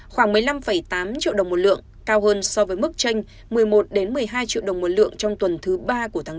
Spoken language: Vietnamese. khoảng một mươi năm tám triệu đồng một lượng cao hơn so với mức tranh một mươi một một mươi hai triệu đồng một lượng trong tuần thứ ba của tháng bốn